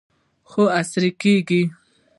خو عصري کیږي.